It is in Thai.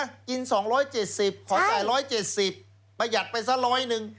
กิน๒๗๐ขอจ่าย๑๗๐ประหยัดไปสักร้อยหนึ่ง